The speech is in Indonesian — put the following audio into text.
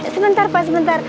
sebentar pak sebentar